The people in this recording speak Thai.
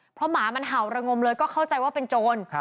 เพราะหมามันเห่าระงมเลยก็เข้าใจว่าเป็นโจร